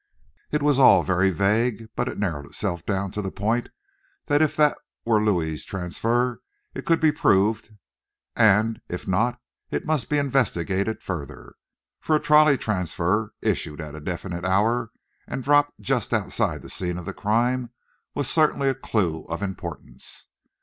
It was all very vague, but it narrowed itself down to the point that if that were Louis's transfer it could be proved; and if not it must be investigated further. For a trolley transfer, issued at a definite hour, and dropped just outside the scene of the crime was certainly a clue of importance.